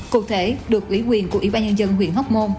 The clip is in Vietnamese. cụ thể được ủy quyền của ủy ban nhân dân huyện hóc môn